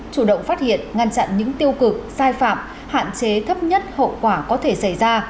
chủ động phát hiện ngăn chặn những tiêu cực sai phạm hạn chế thấp nhất hậu quả có thể xảy ra